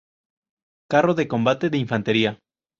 Carro de combate de infantería